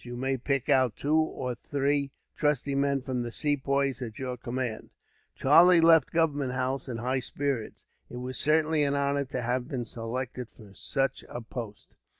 You might pick out two or three trusty men, from the Sepoys you command." Charlie left Government House in high spirits. It was certainly an honor, to have been selected for such a post.